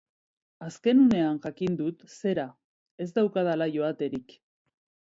Azken unean jakin dut, zera, ez daukadala joaterik.